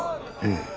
ええ。